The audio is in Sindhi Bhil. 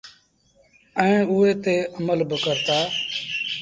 ائيٚݩ اُئي تي امل با ڪرتآ۔